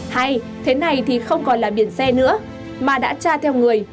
hay thế này thì không còn là biển xe nữa mà đã cha theo người